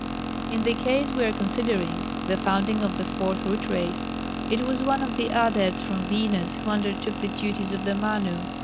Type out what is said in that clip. In the case we are considering the founding of the Fourth Root Race it was one of the Adepts from Venus who undertook the duties of the Manu.